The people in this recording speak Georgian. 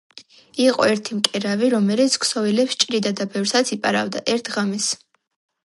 იყო ერთი მკერავი, რომელიც ქსოვილებს ჭრიდა და ბევრსაც იპარავდა. ერთ ღამეს